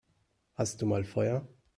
Hast du mal Feuer?